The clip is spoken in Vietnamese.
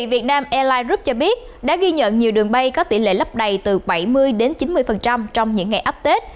việt nam airline group cho biết đã ghi nhận nhiều đường bay có tỉ lệ lấp đầy từ bảy mươi đến chín mươi trong những ngày ấp tết